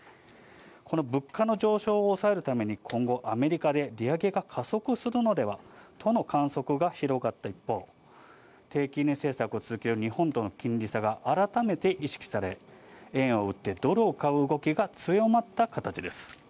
この物価の上昇を抑えるために今後、アメリカで利上げが加速するのではとの観測が広がった一方、低金利政策を続ける日本との金利差が改めて意識され、円を売ってドルを買う動きが強まった形です。